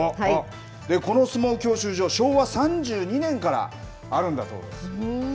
この相撲教習所、昭和３２年からあるんだそうです。